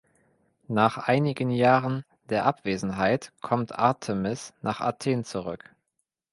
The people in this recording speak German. Nach einigen Jahren der Abwesenheit kommt Artemis nach Athen zurück.